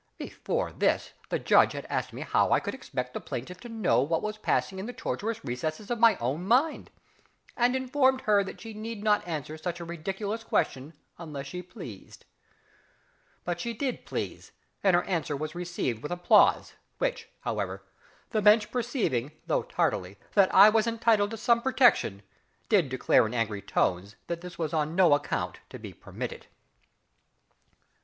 Before this the Judge had asked me how I could expect the plaintiff to know what was passing in the tortuous recesses of my own mind, and informed her that she need not answer such a ridiculous question unless she pleased. But she did please, and her answer was received with applause, which, however, the Bench perceiving, though tardily, that I was entitled to some protection, did declare in angry tones that it was on no account to be permitted.